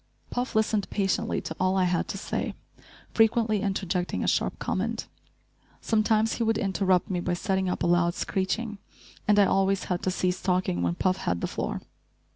Puff listened patiently to all I had to say, frequently interjecting a sharp comment. Sometimes he would interrupt me by setting up a loud screeching, and I always had to cease talking when Puff had the floor.